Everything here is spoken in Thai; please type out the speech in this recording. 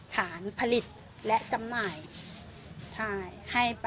ฐานผลิตและจำหน่าย